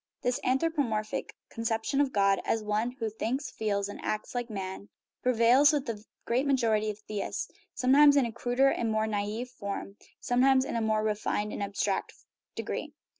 This anthropomorphic conception of God as one who thinks, feels, and acts like man prevails with the great majority of theists, sometimes in a cruder and more naive form, sometimes in a more refined and abstract degree.